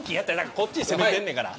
こっちに攻めてんねんから。